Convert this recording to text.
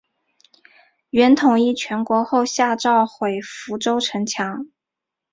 元统一全国后下诏毁福州城墙。